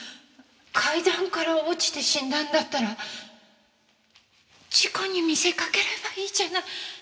階段から落ちて死んだんだったら事故に見せかければいいじゃない。